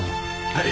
はい。